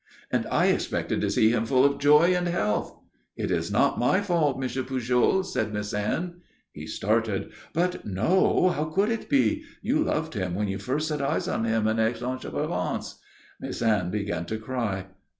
"And I expected to see him full of joy and health!" "It is not my fault, Mr. Pujol," said Miss Anne. He started. "But no. How could it be? You loved him when you first set eyes on him at Aix en Provence." Miss Anne began to cry.